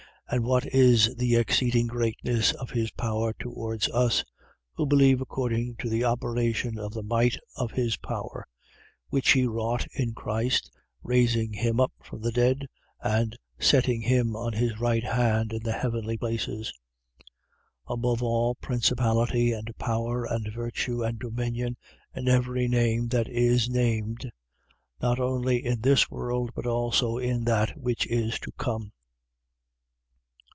1:19. And what is the exceeding greatness of his power towards us, who believe according to the operation of the might of his power, 1:20. Which he wrought in Christ, raising him up from the dead and setting him on his right hand in the heavenly places. 1:21. Above all principality and power and virtue and dominion and every name that is named, not only in this world, but also in that which is to come.